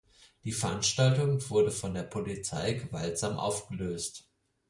Die Veranstaltung wurde von der Polizei gewaltsam aufgelöst.